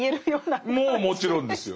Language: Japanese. もうもちろんですよ。